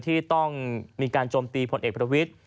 ที่ต้องมีการโจมตีผลเอกประวิทธิ